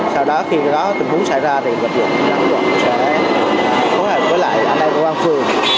sau đó khi đó tình huống xảy ra thì lực lượng xác vực sẽ phù hợp với lại an ninh của quán phương